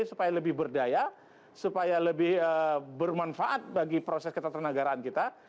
supaya lebih berdaya supaya lebih bermanfaat bagi proses ketatanegaraan kita